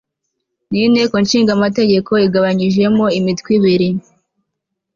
n'inteko nshingamategeko igabanyijemo imitwe ibiri